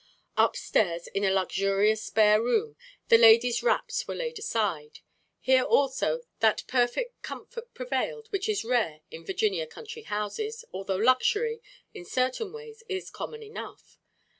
Up stairs, in a luxurious spare bedroom, the ladies' wraps were laid aside. Here, also, that perfect comfort prevailed, which is rare in Virginia country houses, although luxury, in certain ways, is common enough.